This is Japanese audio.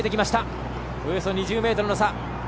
およそ２０ｍの差。